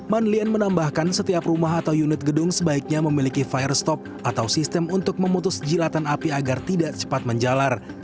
manlian menambahkan setiap rumah atau unit gedung sebaiknya memiliki fire stop atau sistem untuk memutus jilatan api agar tidak cepat menjalar